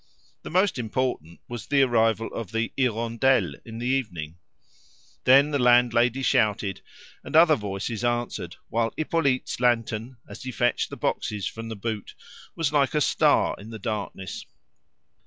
The most important was the arrival of the "Hirondelle" in the evening. Then the landlady shouted out, and other voices answered, while Hippolyte's lantern, as he fetched the boxes from the boot, was like a star in the darkness.